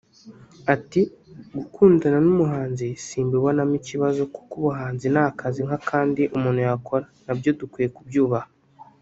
Ati “Gukundana n’umuhanzi simbibonamo ikibazo kuko ubuhanzi ni akazi nk’akandi umuntu yakora na byo dukwiye kubyubaha”